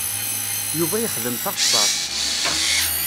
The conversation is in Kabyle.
Yuba yexdem taxeṣṣaṛt.